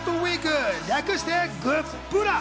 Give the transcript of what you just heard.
略してグップラ。